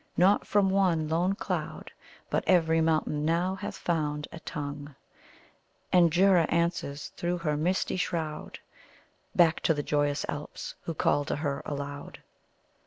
Not from one lone cloud, But every mountain now hath found a tongue, And Jura answers, through her misty shroud, Back to the joyous Alps, who call to her aloud!"